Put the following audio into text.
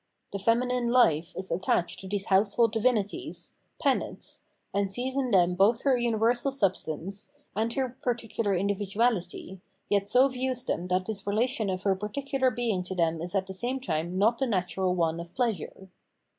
The feminine hfe is attached to these household divinities (Penates), and sees in them both her universal substance, and her particular individuahty, yet so views them that this relation of her particular bemg to them is at the same time not the natural one of pleasure.